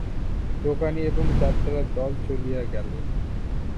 দোকানি এবং যাত্রার দল চলিয়া গেল।